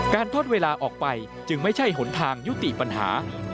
ทอดเวลาออกไปจึงไม่ใช่หนทางยุติปัญหา